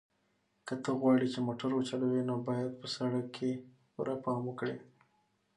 که ته غواړې چې موټر وچلوې نو باید په سړک کې پوره پام وکړې.